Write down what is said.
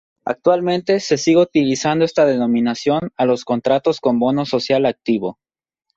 Actualmente se sigue utilizando esta denominación a los contratos con bono social activo.